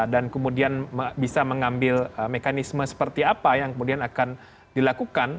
dan kemudian bisa mengambil mekanisme seperti apa yang kemudian akan dilakukan